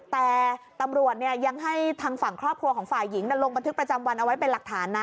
แต่ตำรวจยังให้ทางฝั่งครอบครัวของฝ่ายหญิงลงบันทึกประจำวันเอาไว้เป็นหลักฐานนะ